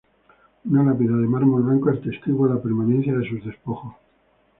Una lápida de mármol blanco atestigua la permanencia de sus despojos.